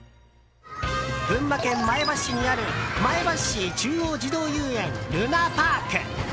群馬県前橋市にある前橋市中央児童遊園るなぱあく。